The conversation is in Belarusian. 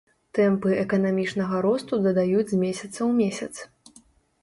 Тэмпы эканамічнага росту дадаюць з месяца ў месяц.